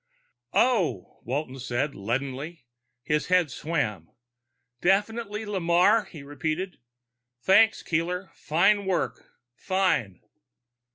"Oh," Walton said leadenly. His head swam. "Definitely Lamarre," he repeated. "Thanks, Keeler. Fine work. Fine."